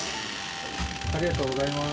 ありがとうございます。